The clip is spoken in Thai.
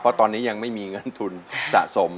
เพราะตอนนี้ยังไม่มีเงินทุนสะสม